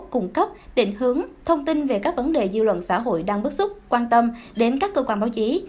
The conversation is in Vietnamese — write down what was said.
cung cấp định hướng thông tin về các vấn đề dư luận xã hội đang bức xúc quan tâm đến các cơ quan báo chí